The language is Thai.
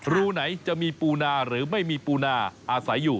รูไหนจะมีปูนาหรือไม่มีปูนาอาศัยอยู่